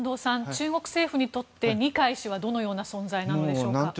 中国政府にとって二階氏はどのような存在なのでしょうか。